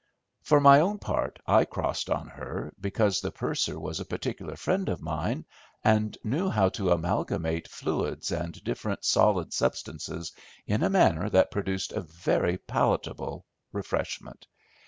For my own part I crossed on her, because the purser was a particular friend of mine, and knew how to amalgamate fluids and different solid substances in a manner that produced a very palatable refreshment.